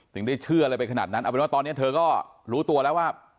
ได้เชื่ออะไรไปขนาดนั้นเอาเป็นว่าตอนนี้เธอก็รู้ตัวแล้วว่า